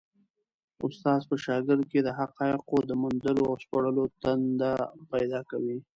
استاد په شاګرد کي د حقایقو د موندلو او سپړلو تنده پیدا کوي.